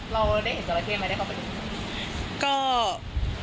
เราได้เห็นจราเข้มันได้เข้าไปได้ไหม